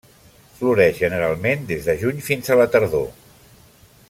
Floreix generalment des de juny fins a la tardor.